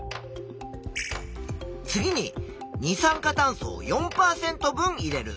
次に二酸化炭素を４％分入れる。